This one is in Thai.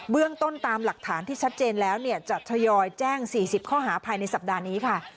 เรื่องต้นตามหลักฐานที่ชัดเจนแล้วจะทยอยแจ้ง๔๐ข้อหาภายในสัปดาห์นี้ค่ะ